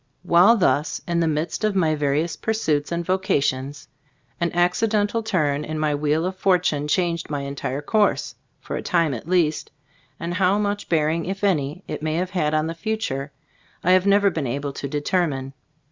While thus in the midst of my var ious pursuits and vocations, an acci dental turn in my wheel of fortune changed my entire course (for a time at least) and how much bearing, if 78 Gbe Storg ot Ag CbtlftbooD any, it may have had on the future, I have never been able to determine.